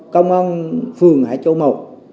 công an phường hải châu mộc